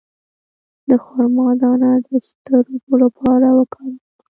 د خرما دانه د سترګو لپاره وکاروئ